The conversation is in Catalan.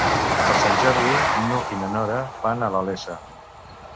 Per Sant Jordi n'Hug i na Nora van a la Iessa.